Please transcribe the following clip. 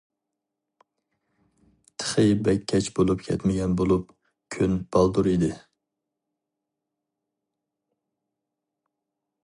تېخى بەك كەچ بولۇپ كەتمىگەن بولۇپ، كۈن بالدۇر ئىدى.